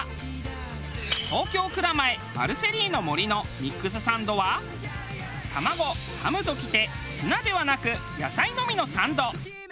東京蔵前マルセリーノ・モリのミックスサンドはタマゴハムときてツナではなく野菜のみのサンド。